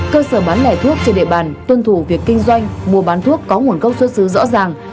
cơ sở bán lẻ thuốc trên địa bàn tuân thủ việc kinh doanh mua bán thuốc có nguồn gốc xuất xứ rõ ràng